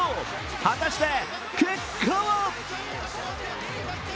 果たして結果は？